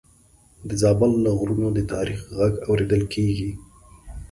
د زابل له غرونو د تاریخ غږ اورېدل کېږي.